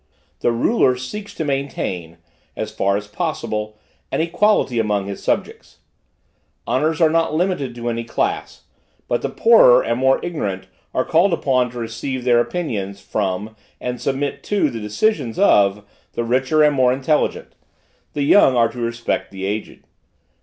The ruler seeks to maintain, as far as possible, an equality among his subjects. Honors are not limited to any class; but the poorer and more ignorant are called upon to receive their opinions from and submit to the decisions of the richer and more intelligent: the young are to respect the aged.